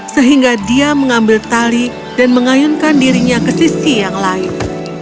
sehingga dia mengambil tali dan mengayunkan dirinya ke sisi yang lain